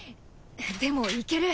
でもいける！